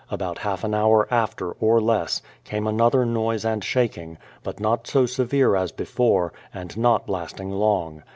About half an hour after, or less, came another noise and shaking, but not so severe as before, and not lasting long.